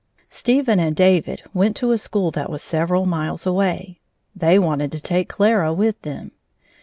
Stephen and David went to a school that was several miles away. They wanted to take Clara with them.